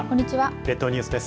列島ニュースです。